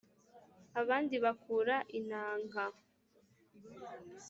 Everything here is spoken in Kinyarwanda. Abandi bakura inanka